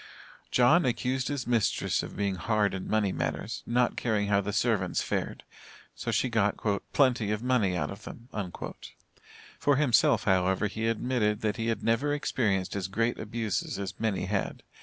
John accused his mistress of being hard in money matters, not caring how the servants fared, so she got "plenty of money out of them." For himself, however, he admitted that he had never experienced as great abuses as many had.